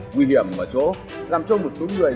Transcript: nguy hiểm ở chỗ làm cho một số người